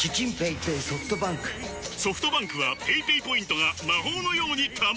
ソフトバンクはペイペイポイントが魔法のように貯まる！